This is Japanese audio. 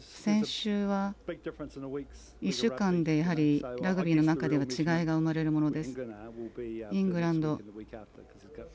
１週間でラグビーの中では違いが生まれるものです。